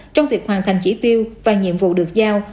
trong việc hoàn thành chỉ tiêu và nhiệm vụ được giao